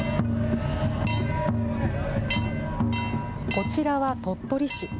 こちらは鳥取市。